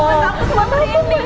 udah cepetan cepetan